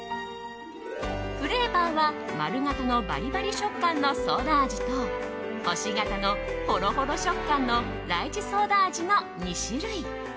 フレーバーは丸形のバリバリ食感のソーダ味と星形のほろほろ食感のライチソーダ味の２種類。